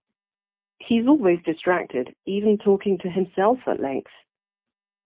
He's always distracted, even talking to himself at length.